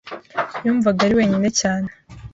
Yumvaga ari wenyine cyane.